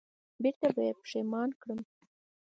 بېرته به یې پښېمان کړم